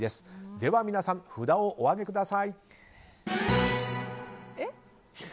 では皆さん札をお上げください。